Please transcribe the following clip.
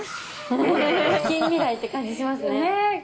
近未来って感じしますね。